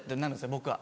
僕は。